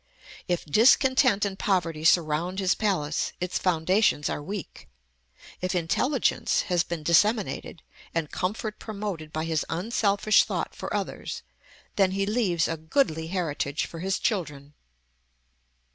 If discontent and poverty surround his palace, its foundations are weak; if intelligence has been disseminated, and comfort promoted by his unselfish thought for others, then he leaves a goodly heritage for his children.